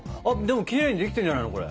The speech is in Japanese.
あっでもきれいにできてるんじゃないの？